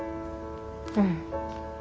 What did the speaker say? うん。